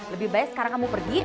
lebih baik sekarang kamu pergi